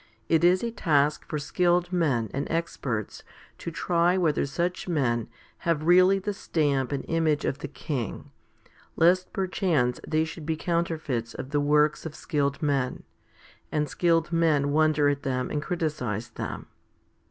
It is a task for skilled men and experts to try whether such men have really the stamp and image of the King, lest perchance they should be counterfeits of the works of skilled men, and skilled men wonder at them and criticise them.